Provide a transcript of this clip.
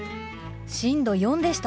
震度４でしたね。